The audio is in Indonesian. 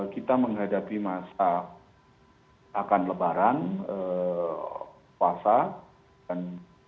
kita menghadapi masa akan lebaran puasa dan